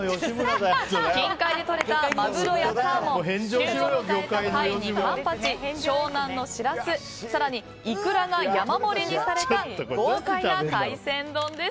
近海でとれたマグロやサーモン旬を迎えたタイにカンパチ湘南のシラス更にイクラが山盛りにされた豪快な海鮮丼です。